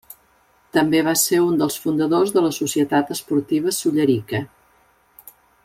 També va ser un dels fundadors de la Societat Esportiva Sollerica.